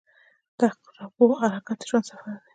• د عقربو حرکت د ژوند سفر دی.